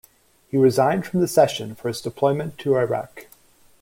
He resigned from the Session for his deployment to Iraq.